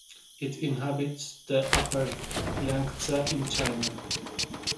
It inhabits the upper Yangtze in China.